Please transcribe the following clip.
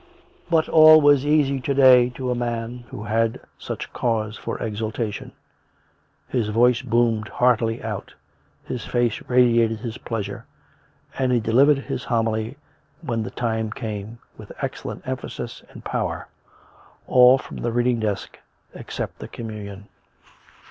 But all was easy to day to a man who had such cause for exultation; his voice boomed heartily out; his face radiated his pleasure; and he delivered his homily when the time came, with excellent emphasis and power — all from the reading desk, except the communion.